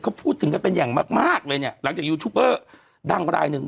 เขาพูดถึงกันเป็นอย่างมากมากเลยเนี่ยหลังจากยูทูบเบอร์ดังรายหนึ่ง